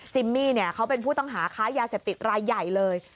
มี่เขาเป็นผู้ต้องหาค้ายาเสพติดรายใหญ่เลย